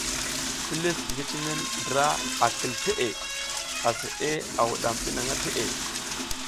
Pilis ngi cine ndra a kil teʼe, aseʼe a wuɗam bi nang teʼe.